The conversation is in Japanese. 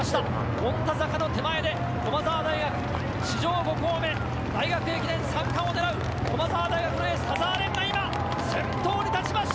権太坂の手前で駒澤大学、史上５校目、大学駅伝三冠を狙う、駒澤大学のエース・田澤廉が今、先頭に立ちました。